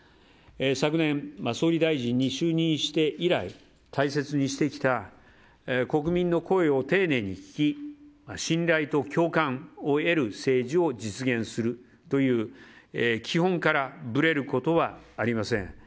昨年、総理大臣に就任して以来大切にしてきた国民の声を丁寧に聞き信頼と共感を得る政治を実現するという基本からぶれることはありません。